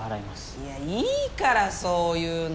いやいいからそういうの。